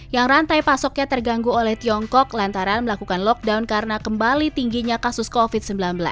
yang rantai pasoknya terganggu oleh tiongkok lantaran melakukan lockdown karena kembali tingginya kasus covid sembilan belas